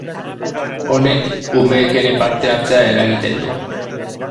Honek, umeek ere parte hartzea eragiten du.